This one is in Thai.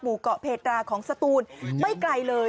เกาะเพตราของสตูนไม่ไกลเลย